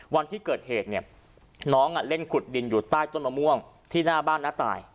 วันที่เกิดเหตุเนี่ยน้องเล่นขุดดินอยู่ใต้ต้นมะม่วงที่หน้าบ้านน้าตาย